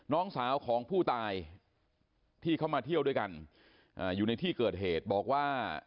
น้องสาวของผู้ตายที่เขามาเที่ยวด้วยกันอยู่ในที่เกิดเหตุบอกว่า